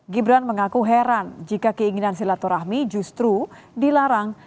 gibran mengaku heran jika keinginan silaturahmi justru dilarang